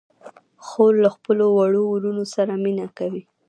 خور له خپلو وړو وروڼو سره مینه کوي.